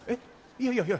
いやいやいや。